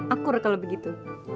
akur kalau begitu